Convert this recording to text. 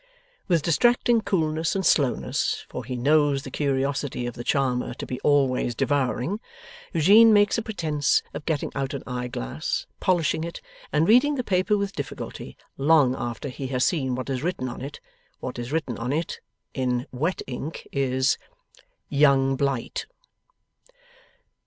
With distracting coolness and slowness for he knows the curiosity of the Charmer to be always devouring Eugene makes a pretence of getting out an eyeglass, polishing it, and reading the paper with difficulty, long after he has seen what is written on it. What is written on it in wet ink, is: 'Young Blight.